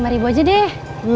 lima ribu aja deh